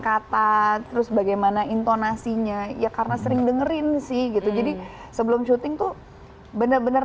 kata terus bagaimana intonasinya ya karena sering dengerin sih gitu jadi sebelum syuting tuh bener bener